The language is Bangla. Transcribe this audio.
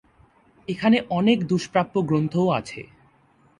এখানে অনেক দুষ্প্রাপ্য গ্রন্থও আছে।